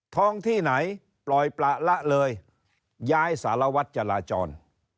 ท้องที่ไหนปล่อยประละเลยย้ายสารวัตรจราจร